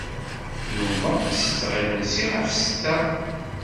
Nnummeɣ setteɣ imensi ɣef setta.